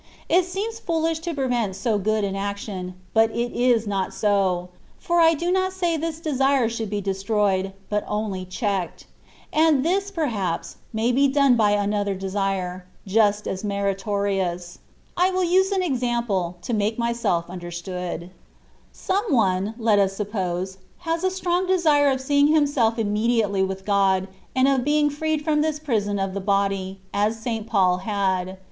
It seems foolish to prevent so good an action, but it is not so ; for I do not say this desire should be destroyed, but only checked; and this, perhaps, may be done by another desire, just as meritorious. I will use an example, to make myself understood. Some one (let us suppose) has a strong desire of seeing himself immediately with God, and of being freed from this prison of the body, as St. Paul had.